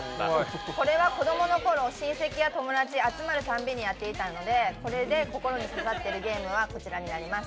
これは子供の頃、親戚や友達が集まるたびにやっていたのでこれで心に刺さっているゲームはこちらになります。